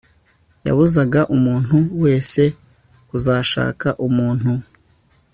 yabuzaga umuntu wese kuzashaka umuntu